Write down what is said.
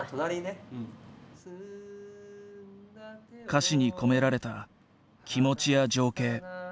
歌詞に込められた気持ちや情景。